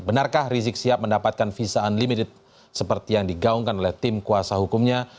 benarkah rizik sihab mendapatkan visa unlimited seperti yang digaungkan oleh tim kuasa hukumnya